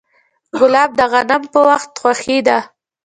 ګلاب د غم په وخت خوښي ده.